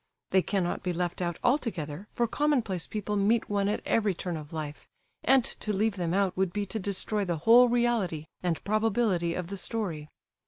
They cannot be left out altogether, for commonplace people meet one at every turn of life, and to leave them out would be to destroy the whole reality and probability of the story.